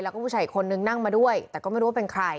แล้วก็ผู้ชายอีกคนนึงนั่งมาด้วยแต่ก็ไม่รู้ว่าเป็นใคร